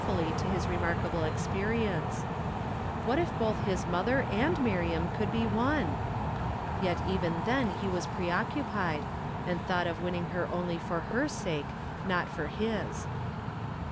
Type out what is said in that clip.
fully to hm reniurkiihh! experience. Wliiit if * ota his mother iii;;! AUriani could 1k) won ? Yet even then he was preoccupied, and thought of winning her only for her sake, not for ln».